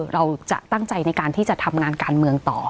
เราจะตั้งใจในการที่จะทำงานการเมืองต่อ